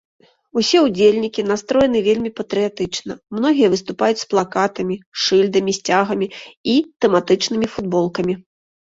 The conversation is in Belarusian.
Усе ўдзельнікі настроены вельмі патрыятычна, многія выступаюць з плакатамі, шыльдамі, сцягамі і тэматычнымі футболкамі.